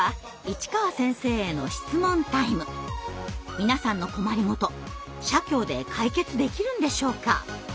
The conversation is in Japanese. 皆さんの困りごと社協で解決できるんでしょうか。